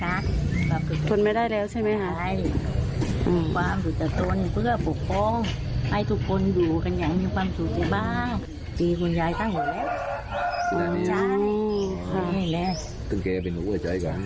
ยายบอกยายสงสารทรัพย์ชายยายกกลางสองยายบอกยายสงสารอิงสะลูกชายยาย